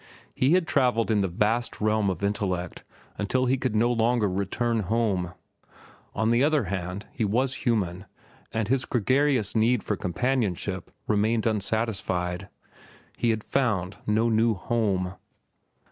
He had travelled in the vast realm of intellect until he could no longer return home. On the other hand, he was human, and his gregarious need for companionship remained unsatisfied. He had found no new home.